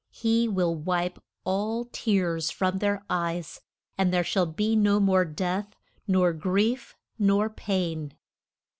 He will wipe all tears from their eyes, and there shall be no more death, nor grief, nor pain.